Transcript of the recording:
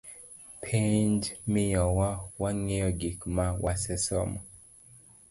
Penj miyowa wangeyo gik ma wasesomo.